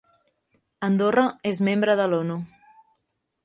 Andorra és membre de l'ONU.